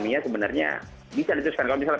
mia sebenarnya bisa dituskan kalau misalnya